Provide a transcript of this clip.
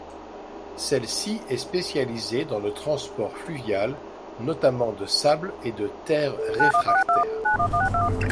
Celle-ci est spécialisée dans le transport fluvial, notamment de sable et de terre réfractaire.